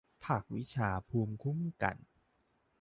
ภาควิชาภูมิคุ้มกัน